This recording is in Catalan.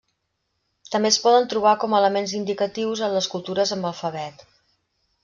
També es poden trobar com a elements indicatius en les cultures amb alfabet.